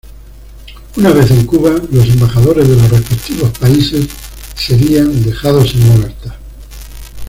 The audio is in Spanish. Una vez en Cuba, los embajadores de los respectivos países serían dejados en libertad.